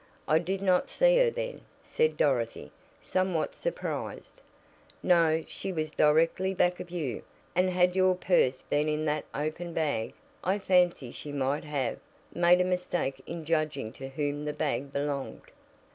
"I did not see her then," said Dorothy, somewhat surprised. "No, she was directly back of you, and had your purse been in that open bag I fancy she might have made a mistake in judging to whom the bag belonged."